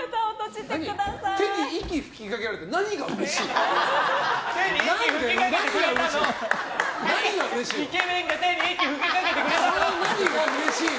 手に息吹きかけられて何がうれしいの。